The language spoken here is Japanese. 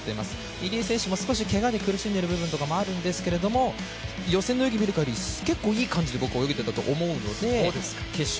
入江選手も少しけがで苦しんでいる部分があるんですけども、予選の泳ぎ見るかぎり、結構いい感じで泳げてたと思うので決勝